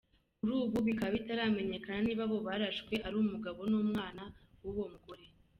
Kuri ubu bikaba bitaramenyekana niba abo barashwe ari umugabo numwana wuwo mugore.